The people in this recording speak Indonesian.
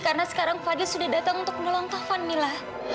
karena sekarang fadil sudah datang untuk menolong taufan mila